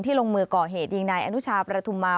ที่ลงมือก่อเหตุยิ่งในอนุชาประธุมา